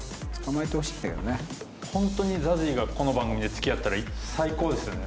ホントにＺＡＺＹがこの番組で付き合ったら最高ですよね。